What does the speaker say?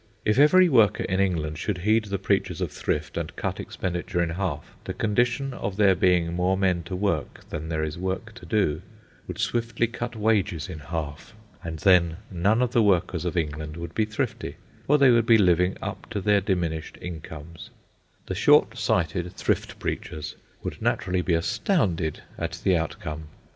If every worker in England should heed the preachers of thrift and cut expenditure in half, the condition of there being more men to work than there is work to do would swiftly cut wages in half. And then none of the workers of England would be thrifty, for they would be living up to their diminished incomes. The short sighted thrift preachers would naturally be astounded at the outcome.